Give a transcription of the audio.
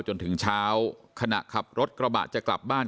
จนถึงเช้าขณะขับรถกระบะจะกลับบ้าน